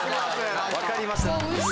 分かりました。